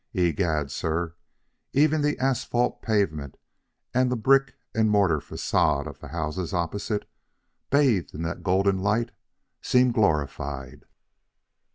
Egad! sir, even the asphalted pavement and the brick and mortar façade of the houses opposite, bathed in that golden light, seem glorified."